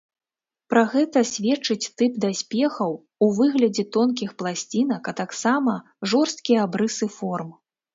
Пра гэта сведчыць тып даспехаў у выглядзе тонкіх пласцінак, а таксама жорсткія абрысы форм.